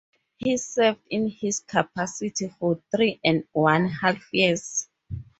He served in this capacity for three and one half years.